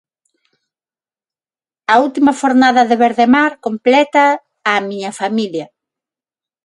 A última fornada de Verdemar complétaa "A miña familia".